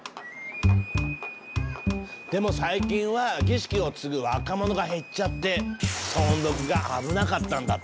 でも最近は儀式を継ぐ若者が減っちゃって存続が危なかったんだって。